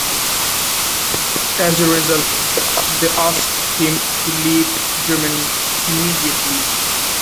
As a result, they asked him to leave Germany immediately.